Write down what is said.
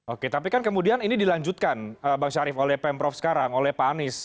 oke tapi kan kemudian ini dilanjutkan bang syarif oleh pemprov sekarang oleh pak anies